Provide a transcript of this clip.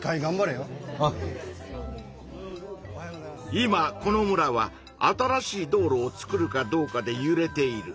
今この村は新しい道路をつくるかどうかでゆれている。